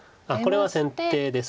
これは先手です。